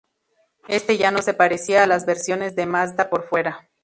Este ya no se parecía a las versiones de Mazda por fuera.